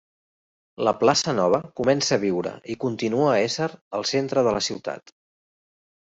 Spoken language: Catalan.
La plaça nova comença a viure i continua a ésser el centre de la ciutat.